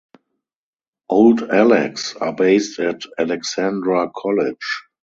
Old Alex are based at Alexandra College.